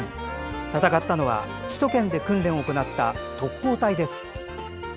戦ったのは首都圏で訓練を行った特攻隊です。